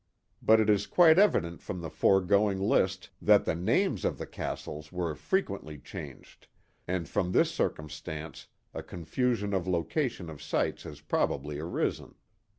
But it is quite evident from the foregoing list that the names of the castles were frequently changed, and from this circumstance a confu sion of location of sites has probably arisen.